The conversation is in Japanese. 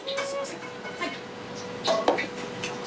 はい。